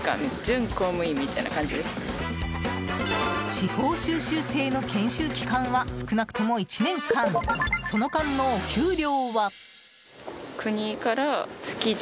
司法修習生の研修期間は少なくとも１年間その間のお給料は。